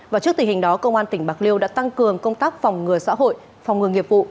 và trước tình hình đó công an tp hcm đã tăng cường công tác phòng ngừa xã hội phòng ngừa nghiệp vụ